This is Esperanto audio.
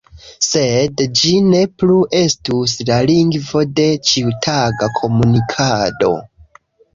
Sed ĝi ne plu estus la lingvo de ĉiutaga komunikado.